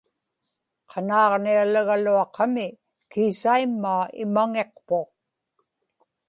qanaaġnialagaluaqami kiisaimmaa imaŋiqpuq